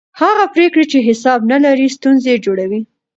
هغه پرېکړې چې حساب نه لري ستونزې جوړوي